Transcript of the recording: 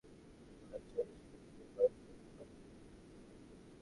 এমন এক জায়গা যেটা দ্বিতীয়বার সুযোগ দেবার প্রতিনিধিত্ব করে।